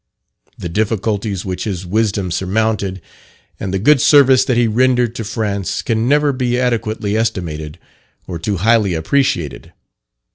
The difficulties which his wisdom surmounted, and the good service that he rendered to France, can never be adequately estimated or too highly appreciated.